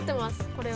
これは。